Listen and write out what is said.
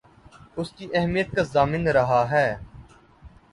اس کی اہمیت کا ضامن رہا ہے